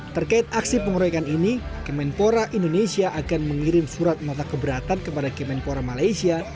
terkait aksi pengeroyokan ini kemenpora indonesia akan mengirim surat mata keberatan kepada kemenpora malaysia